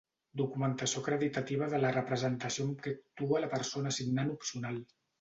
Documentació acreditativa de la representació amb què actua la persona signant Opcional.